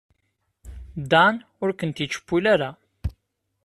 Dan ur kent-yettcewwil ara.